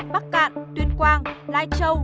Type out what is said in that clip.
bắc cạn tuyên quang lai châu